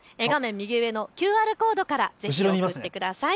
右上のＱＲコードからぜひ送ってください。